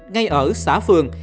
ngay ở xã phường